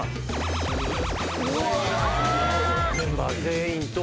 メンバー全員と。